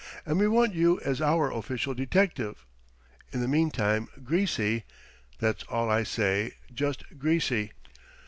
And we want you as our official detective. In the meantime Greasy! That's all I say just Greasy!